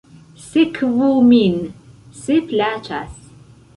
Sekvu min, se plaĉas.